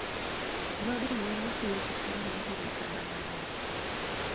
Nodhi nyime gi weche somo nyaka e mbalariany.